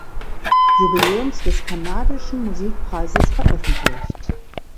Jubiläums des kanadischen Musikpreises veröffentlicht.